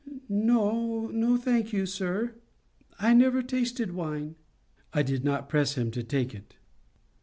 "No, thank you, sir; I never tasted wine." "I did not press him to take it.